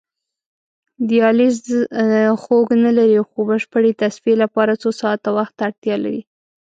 دیالیز خوږ نه لري خو بشپړې تصفیې لپاره څو ساعته وخت ته اړتیا لري.